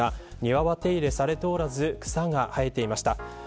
庭は手入れされておらず草が生えていました。